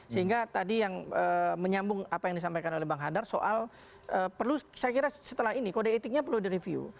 sehingga tadi yang menyambung apa yang disampaikan oleh bang hadar soal perlu saya kira setelah ini kode etiknya perlu direview